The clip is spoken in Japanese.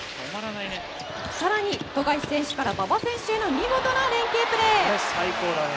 更に富樫選手から馬場選手への見事な連係プレー。